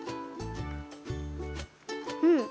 うん！